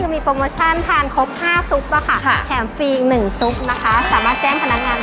ก็คือมีโปรโมชั่นทานครบ๕ซุปต่อค่ะแถมฟรี๑ซุปนะคะสามารถแจ้งพนักงานได้เลย